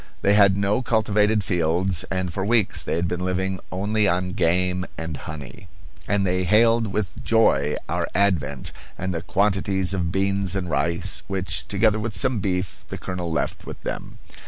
They had no cultivated fields, and for weeks they had been living only on game and honey; and they hailed with joy our advent and the quantities of beans and rice which, together with some beef, the colonel left with them.